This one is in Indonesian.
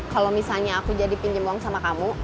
kalau misalnya aku jadi pinjam uang sama kamu